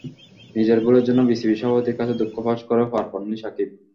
নিজের ভুলের জন্য বিসিবির সভাপতির কাছে দুঃখ প্রকাশ করেও পার পাননি সাকিব।